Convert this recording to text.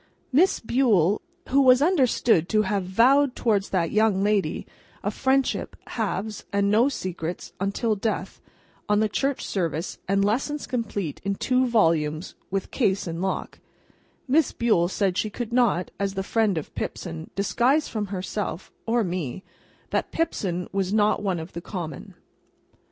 Miss Bule—who was understood to have vowed towards that young lady, a friendship, halves, and no secrets, until death, on the Church Service and Lessons complete in two volumes with case and lock—Miss Bule said she could not, as the friend of Pipson, disguise from herself, or me, that Pipson was not one of the common.